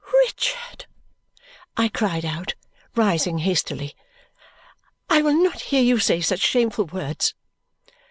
"Richard!" I cried out, rising hastily. "I will not hear you say such shameful words!"